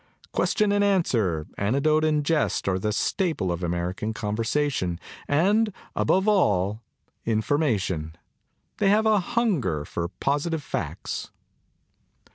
Question and answer, anecdote and jest are the staple of American conversation; CONCERNING CONVERSATION and, above all, information. They have a hunger for positive facts."